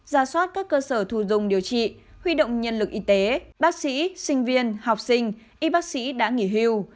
ra soát các cơ sở thu dùng điều trị huy động nhân lực y tế bác sĩ sinh viên học sinh y bác sĩ đã nghỉ hưu